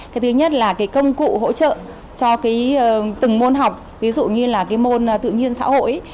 cái thứ nhất là cái công cụ hỗ trợ cho từng môn học ví dụ như là cái môn tự nhiên xã hội